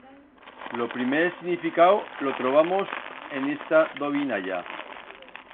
Lo primer significau lo trobamos en esta dovinalla.